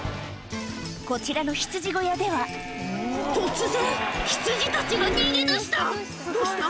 こちらのヒツジ小屋では突然ヒツジたちが逃げ出したどうした？